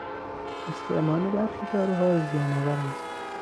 استعمال برخی داروها زیان آور است.